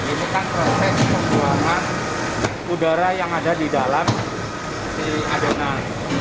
ini kan proses pembuangan udara yang ada di dalam si adonan